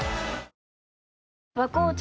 新「和紅茶」